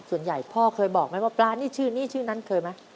พ่อเคยบอกไหมว่าปลานี่ชื่อนี้ชื่อนั้นเคยไหม